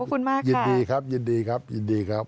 ขอบคุณมากยินดีครับยินดีครับยินดีครับ